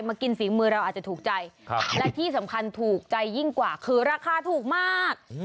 กินฝีมือเราอาจจะถูกใจและที่สำคัญถูกใจยิ่งกว่าคือราคาถูกมาก